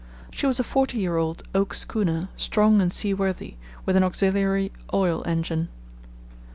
She was a forty year old oak schooner, strong and seaworthy, with an auxiliary oil engine.